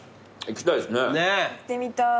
行ってみたい。